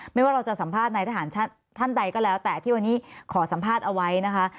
ไม่ว่าเราจะสัมภาษณ์นายทหารท่านใดก็แล้วแต่ที่วันนี้ขอสัมภาษณ์เอาไว้นะคะ